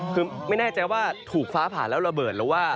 คือไม่แน่ใจว่าถูกฟ้าผ่าแล้วระเบิดหรือว่า